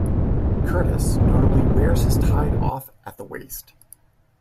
Curtis notably wears his tied off at the waist.